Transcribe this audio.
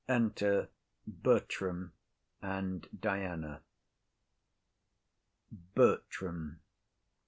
Enter Bertram and Diana. BERTRAM.